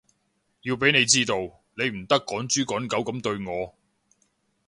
要畀你知道，你唔得趕豬趕狗噉對我